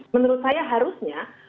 menurut saya harusnya